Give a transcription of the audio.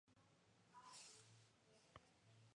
Goodrich y David Goodrich como directores.